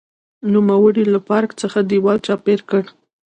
نوموړي له پارک څخه دېوال چاپېر کړ.